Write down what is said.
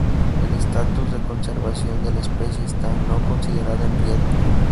El estatus de conservación de la especie está "no considerada en riesgo".